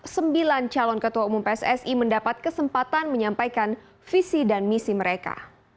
sembilan calon ketua umum pssi mendapat kesempatan menyampaikan visi dan misi mereka